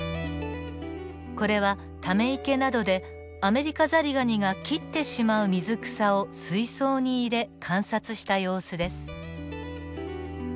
これはため池などでアメリカザリガニが切ってしまう水草を水槽に入れ観察した様子です。